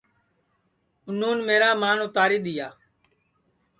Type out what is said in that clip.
یوں میرا مان اُتاری دؔیا